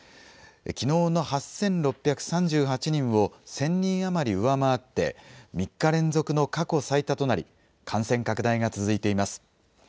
きのうの８６３８人を１０００人余り上回って、３日連続の過去最多となり、感染拡大が続いています。